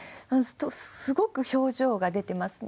すごく表情が出てますね。